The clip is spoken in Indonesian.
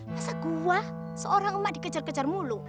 masa gua seorang emak dikejar kejar mulu